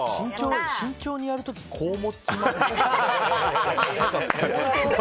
慎重にやる時こう持ちますね。